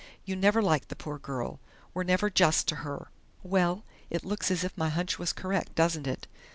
"You never liked the poor girl, were never just to her " "Well, it looks as if my hunch was correct, doesn't it?"